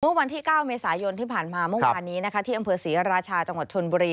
วันที่๙เมษายนที่ผ่านมาเมื่อวานนี้นะคะที่อำเภอศรีราชาจังหวัดชนบุรี